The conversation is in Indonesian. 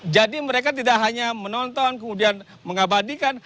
jadi mereka tidak hanya menonton kemudian mengabadikan